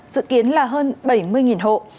dự kiến là hơn bảy mươi hộ